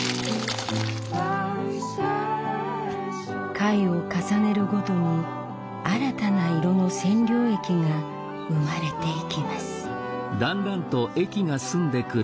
回を重ねるごとに新たな色の染料液が生まれていきます。